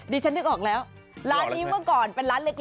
ฉันนึกออกแล้วร้านนี้เมื่อก่อนเป็นร้านเล็ก